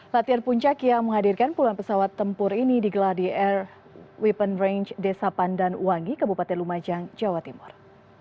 latihan puncak yang menghadirkan puluhan pesawat tempur ini di gladier weapon range desa pandan uwangi kabupaten lumajang jawa timur